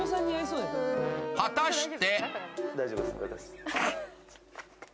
果たして？